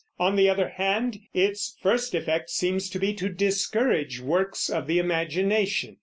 On the other hand, its first effect seems to be to discourage works of the imagination.